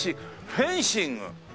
フェンシング！